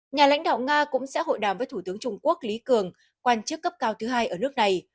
nhà lãnh đạo nga cũng sẽ hội đàm với thủ tướng trung quốc lý cường quan chức cấp cao thứ hai ở nước này